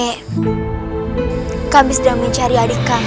nek kami sudah mencari adik kami